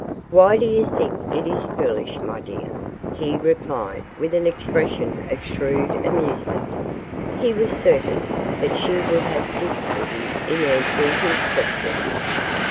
"Why do you think it is foolish, my dear?" he replied with an expression of shrewd amusement. He was certain that she would have difficulty in answering his question.